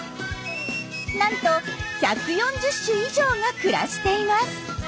なんと１４０種以上が暮らしています。